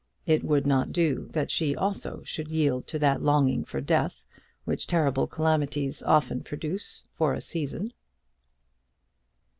It would not do that she also should yield to that longing for death which terrible calamities often produce for a season.